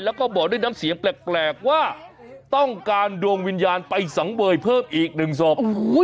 แล้วก็บอกด้วยน้ำเสียงแปลกว่าต้องการดวงวิญญาณไปสังเวยเพิ่มอีกหนึ่งศพ